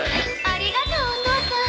ありがとうお父さん！